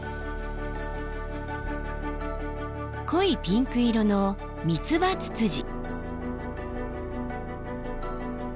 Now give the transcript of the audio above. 濃いピンク色のミツバツツジ。